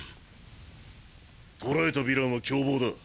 捕らえたヴィランは凶暴だ。